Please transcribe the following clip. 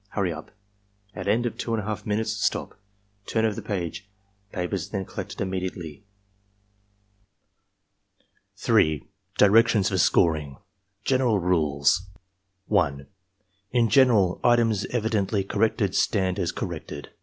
Hurry up!" At end of 2^/2 minutes, "Stop! Turn over the page.'' Papers are then collected immediately. 3. DIRECTIONS FOR SCORING General Rules 1. In general, items evidently corrected stand as corrected.